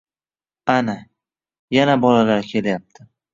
Ana, yana bolalar kelyapti